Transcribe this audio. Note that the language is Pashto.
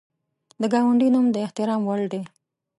د ګاونډي نوم د احترام وړ دی